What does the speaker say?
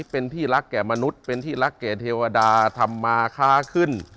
เป็นที่รักแก่มนุษย์เป็นที่รักแก่เทวดาทำมาค้าขึ้น